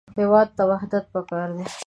هېواد ته وحدت پکار دی